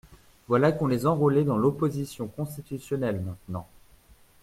Voilà qu'on les enrôlait dans l'Opposition Constitutionnelle, maintenant!